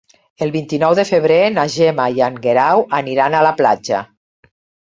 El vint-i-nou de febrer na Gemma i en Guerau aniran a la platja.